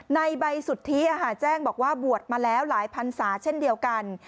ในใบสุทธิแจ้งบอกว่าบวชมาแล้วหลายพันศาเช่นเดียวกัน